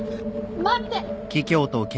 待って。